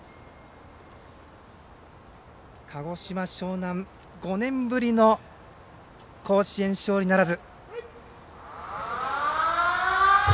鹿児島、樟南５年ぶりの甲子園勝利ならず。